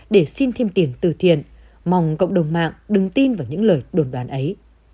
để xin thêm tiền từ thiện mong cộng đồng mạng đứng tin vào những lời đồn đoán ấy